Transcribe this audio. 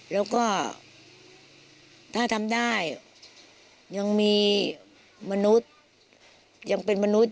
แล้วก็ถ้าทำได้ยังมีมนุษย์ยังเป็นมนุษย